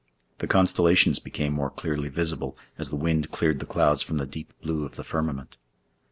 The constellations became more clearly visible as the wind cleared the clouds from the deep blue of the firmament.